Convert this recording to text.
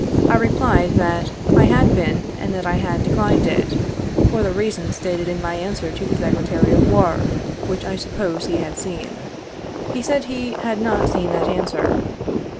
I replied, that '1 had been and that I had declined it, for the reasons stated in my answer to the Sec retary of War, which I supposed he had seen.' He said he ' had not seen that answer.'